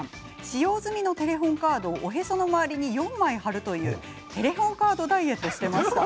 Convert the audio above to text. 使用済みのテレホンカードをおへその周りに４枚貼るというテレホンカードダイエットをしていました。